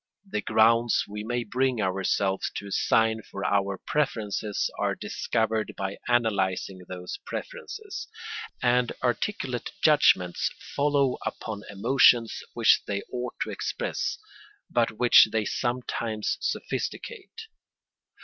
The grounds we may bring ourselves to assign for our preferences are discovered by analysing those preferences, and articulate judgments follow upon emotions which they ought to express, but which they sometimes sophisticate.